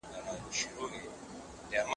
هغه تت غږ د مانا په لور د یوې بلنې په څېر و.